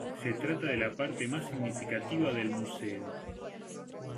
Se trata de la parte más significativa del museo.